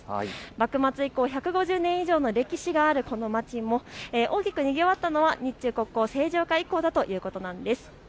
幕末以降、１５０年以上の歴史があるこの街も大きくにぎわったのは日中国交正常化以降だということです。